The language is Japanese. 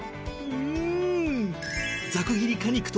うん！